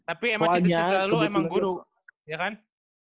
tapi emang cita citanya lu emang guru iya kan